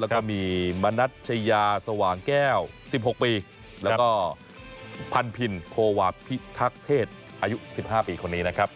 แล้วก็มีมณัชยาสว่างแก้ว๑๖ปีแล้วก็พันพินโควาพิทักเทศอายุ๑๕ปีคนนี้นะครับ